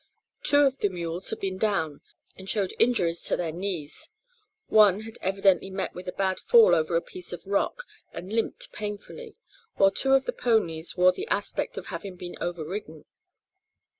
Two of the mules had been down, and showed injuries to their knees. One had evidently met with a bad fall over a piece of rock, and limped painfully, while two of the ponies wore the aspect of having been over ridden.